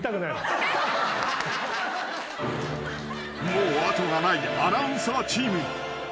［もう後がないアナウンサーチーム］